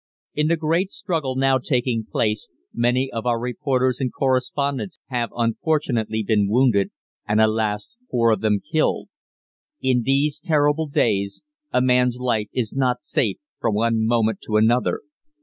In the great struggle now taking place many of our reporters and correspondents have unfortunately been wounded, and, alas! four of them killed. "In these terrible days a man's life is not safe from one moment to another.